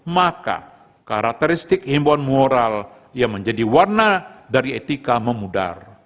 maka karakteristik himbauan moral yang menjadi warna dari etika memudar